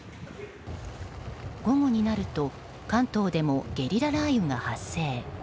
午後になると関東でもゲリラ雷雨が発生。